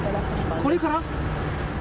これから？